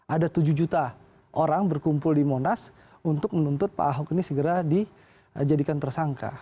ada tujuh juta orang berkumpul di monas untuk menuntut pak ahok ini segera dijadikan tersangka